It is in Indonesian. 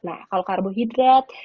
nah kalau karbohidrat